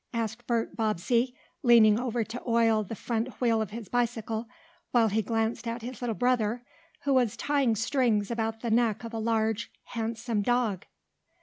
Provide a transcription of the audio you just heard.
asked Bert Bobbsey, leaning over to oil the front wheel of his bicycle, while he glanced at his little brother, who was tying strings about the neck of a large, handsome dog.